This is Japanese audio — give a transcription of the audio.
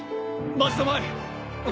待ちたまえ。